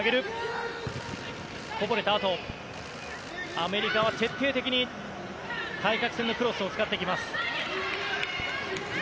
アメリカは徹底的に対角線のクロスを使ってきます。